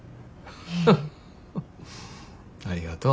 フフありがとう。